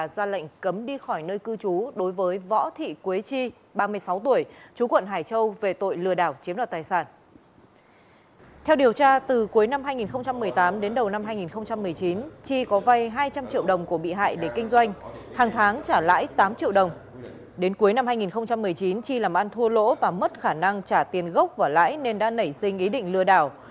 đến cuối năm hai nghìn một mươi chín chi làm ăn thua lỗ và mất khả năng trả tiền gốc và lãi nên đã nảy sinh ý định lừa đảo